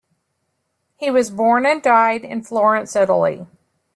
He was born and died in Florence, Italy.